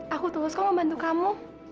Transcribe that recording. aku terus kok mau bantu kamu